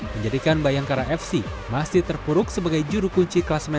menjadikan bayangkara fc masih terpuruk sebagai juru kunci kelas men